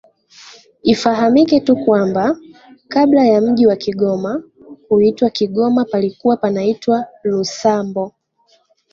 Ifahamike tu kwamba kabla ya mji wa Kigoma kuitwa Kigoma palikuwa panaitwa Lusambo